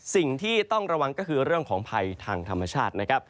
สิ่งที่ต้องระวังก็คือเรื่องของภัยทางธรรมชาตินะครับ